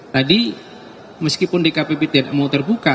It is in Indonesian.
tadi meskipun dkpp tidak mau terbuka